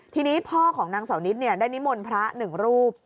ทีนี้พ่อของนางเสานิดได้นิมนต์พระหนึ่งรูป